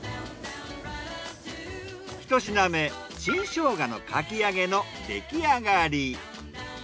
ひと品目新ショウガのかき揚げの出来上がり。